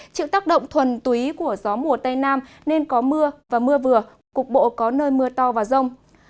chịu tác động thuần túy của gió mùa tây nam nên có mưa và mưa vừa cục bộ có nơi mưa to và rông